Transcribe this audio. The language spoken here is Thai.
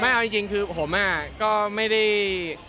เอาจริงคือผมก็ไม่ได้